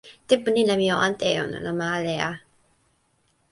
tenpo ni la mi o ante e ona lon ma ale a.